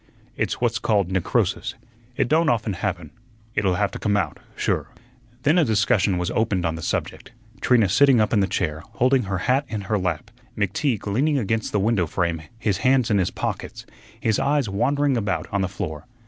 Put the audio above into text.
It's what's called necrosis. It don't often happen. It'll have to come out sure." Then a discussion was opened on the subject, Trina sitting up in the chair, holding her hat in her lap; McTeague leaning against the window frame his hands in his pockets, his eyes wandering about on the floor.